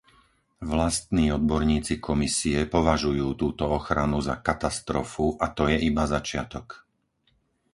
Vlastní odborníci Komisie považujú túto ochranu za katastrofu a to je iba začiatok.